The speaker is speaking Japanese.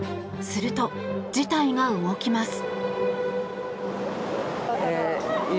すると、事態が動きます。